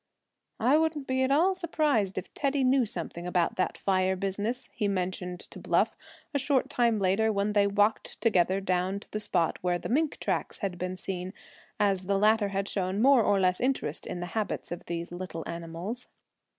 "I wouldn't be at all surprised if Teddy knew something about that fire business," he mentioned to Bluff, a short time later, when they walked together down to the spot where the mink tracks had been seen, as the latter had shown more or less interest in the habits of these little animals.